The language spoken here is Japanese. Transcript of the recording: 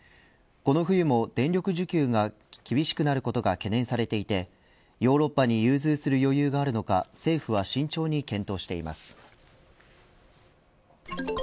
この冬も、電力需給が厳しくなることが懸念されていてヨーロッパに融通する余裕があるのか政府は慎重に検討しています。